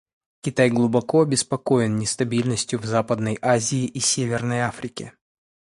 Китай глубоко обеспокоен нестабильностью в Западной Азии и Северной Африке.